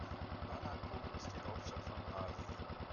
Bamako ist die Hauptstadt von Mali.